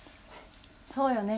そうよね